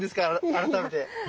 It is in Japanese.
改めて。